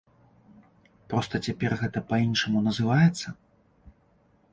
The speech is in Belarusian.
Проста цяпер гэта па-іншаму называецца?